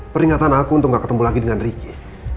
peringatan aku untuk gak ketemu lagi dengan ricky